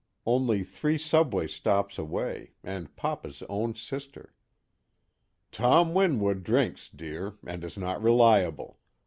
Only three subway stops away, and Papa's own sister. "Tom Winwood drinks, dear, and is not reliable.